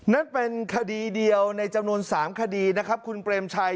นั่นเป็นคดีเดียวในจำนวน๓คดีนะครับคุณเปรมชัย